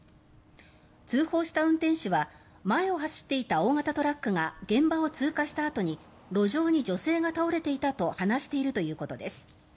通報した運転手は前を走っていた大型トラックが現場を通過したあとに路上に女性が倒れていたと話しているということです。